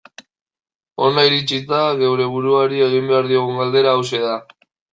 Hona iritsita, geure buruari egin behar diogun galdera hauxe da.